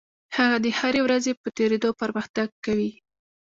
هغه د هرې ورځې په تېرېدو پرمختګ کوي.